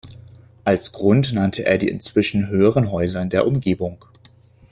Als Grund nannte er die inzwischen höheren Häuser in der Umgebung.